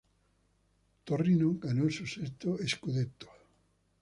Torino ganó su sexto "scudetto".